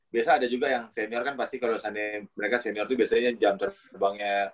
biasanya ada juga yang senior kan pasti kalau mereka senior tuh biasanya yang jump tersebangnya